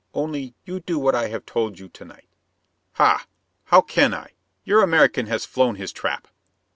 Only, you do what I have told you to night." "Hah! How can I? Your American has flown his trap."